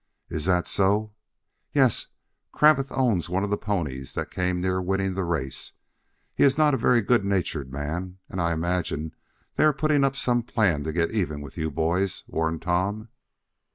"Is that so?" "Yes, Cravath owns one of the ponies that came near winning the race. He is not a very good natured man and I imagine they are putting up some plan to get even with you boys," warned Tom.